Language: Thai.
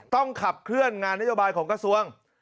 ต้องขับเคลื่อนงานนโยบายของกระทรวง